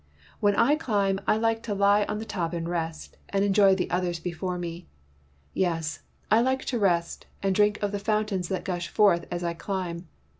When I climb I like to lie on the top and rest, and enjoj^ the others before me. Yes, I like to rest, and drink of the fountains that gush forth as I climb.